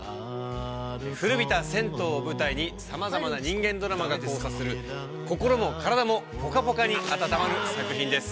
古びた銭湯を舞台にさまざまな人間ドラマが交差する心も体もポカポカに温まる作品です。